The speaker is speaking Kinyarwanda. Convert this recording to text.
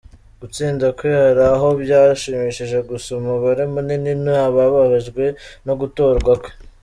Gutsinda kwe hari abo byashimishije gusa umubare munini ni abababajwe no gutorwa kwe.